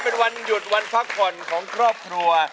เป็นวันหยุดวันพักผ่อนของครอบครัว